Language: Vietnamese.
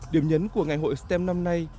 điểm nhấn của ngày hội stem năm nay